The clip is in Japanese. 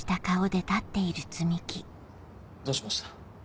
どうしました？